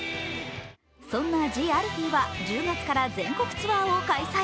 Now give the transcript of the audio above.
そんなＴＨＥＡＬＦＥＥは１０月から全国ツアーを開催。